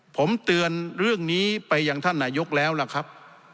ผมเตือนเรื่องนี้ไปยังท่านนายกแล้วล่ะครับ